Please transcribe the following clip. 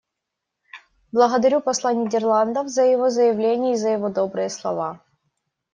Благодарю посла Нидерландов за его заявление и за его добрые слова.